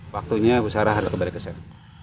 waktunya usara harus kembali ke sel